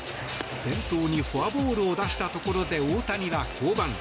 先頭にフォアボールを出したところで大谷は降板。